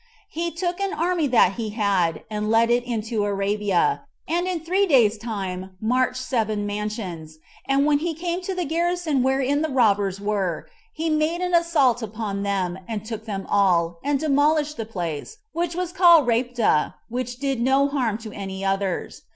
He took an army that he had, and let it into Arabia, and in three days' time marched seven mansions; and when he came to the garrison wherein the robbers were, he made an assault upon them, and took them all, and demolished the place, which was called Raepta, but did no harm to any others.